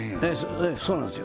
ええそうなんですよ